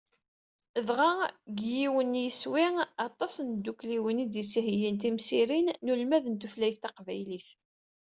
Dɣa, deg yiwen n yiswi, aṭas n tdukkliwin i d-yettheyyin timsirin n ulmad n tutlayt taqbaylit.